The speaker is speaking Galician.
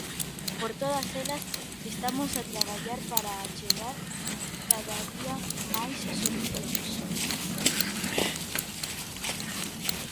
Por todas elas, estamos a traballar para achegar cada día máis solucións.